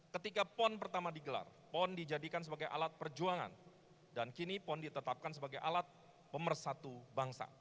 ketika pon pertama digelar pon dijadikan sebagai alat perjuangan dan kini pon ditetapkan sebagai alat pemersatu bangsa